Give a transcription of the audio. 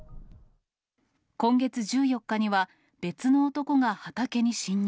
今月１４日には、別の男が畑に侵入。